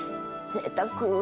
ぜいたく。